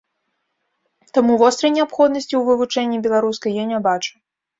Таму вострай неабходнасці ў вывучэнні беларускай я не бачу.